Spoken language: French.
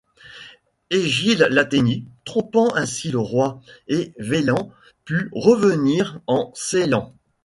Egil l'atteignit, trompant ainsi le roi, et Velent put revenir en Seeland.